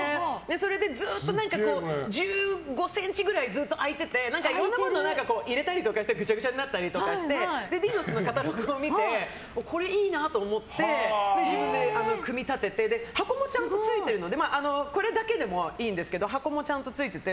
それでずっと１５ｃｍぐらいずっと空いてて何か、いろいろなもの入れたりしてぐちゃぐちゃになったりしてディノスのカタログを見てこれいいなと思って自分で組み立ててこれだけでもいいんですけど箱もちゃんとついてて。